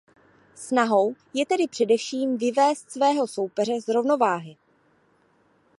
Snahou je tedy především vyvést svého soupeře z rovnováhy.